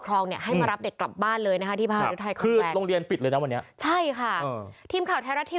พวกครองมีคงให้มารับเกิดกลับบ้านเลยนะที่บางตัวลงเรียนปิดแล้วค่ะวันแต่คราวที่